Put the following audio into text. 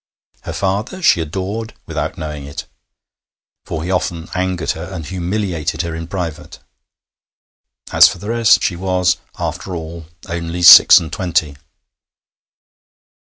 Her father she adored, without knowing it; for he often angered her, and humiliated her in private. As for the rest, she was, after all, only six and twenty.